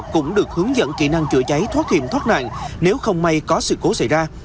cũng được hướng dẫn kỹ năng chữa cháy thoát hiểm thoát nạn nếu không may có sự cố xảy ra